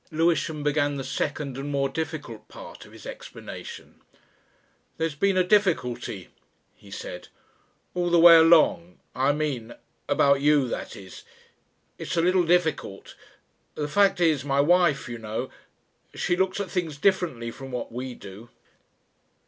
Lewisham began the second and more difficult part of his explanation. "There's been a difficulty," he said, "all the way along I mean about you, that is. It's a little difficult The fact is, my life, you know She looks at things differently from what we do."